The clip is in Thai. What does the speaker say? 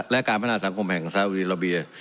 และการพนาญสังคมของเศรษฐรีระเบีย